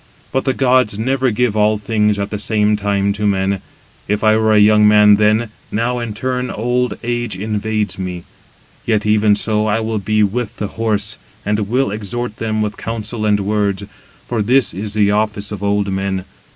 But the gods never give all things at the same time to men. If I were a young man then, now in turn old age invades me. Yet even so, I will be with the horse, and will exhort them with counsel and words: for this is the office of old men.